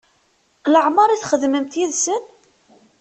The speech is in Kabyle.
Laɛmeṛ i txedmemt yid-sen?